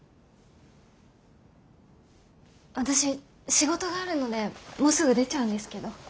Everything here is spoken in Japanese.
私仕事があるのでもうすぐ出ちゃうんですけど。